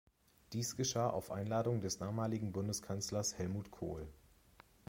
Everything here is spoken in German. Dies geschah auf Einladung des damaligen Bundeskanzlers Helmut Kohl.